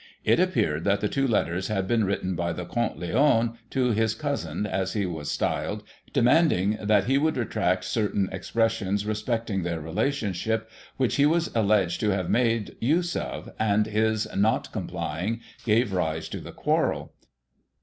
It appeared that the two letters had been written by the Comte Leon to his cousin, as he was styled, demanding that he would retract certain expressions respecting their relation ship, which he was alleged to have made use of; and, his not complying, gave rise to the quarrel.